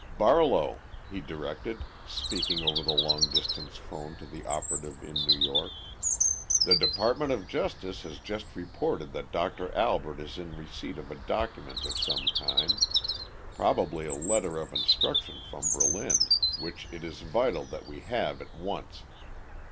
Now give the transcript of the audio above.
"Barlow," he directed, speaking over the long distance phone to the operative in New York, "the Department of Justice has just reported that Doctor Albert is in receipt of a document of some kind probably a letter of instruction from Berlin which it is vital that we have at once.